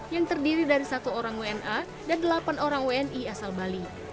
yang terdiri dari satu orang wna dan delapan orang wni asal bali